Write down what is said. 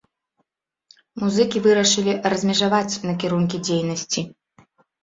Музыкі вырашылі размежаваць накірункі дзейнасці.